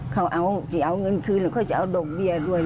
เขาเอาเพลิงเงินขึ้นหรือเขาจะเอาดกเบี้ยด้วย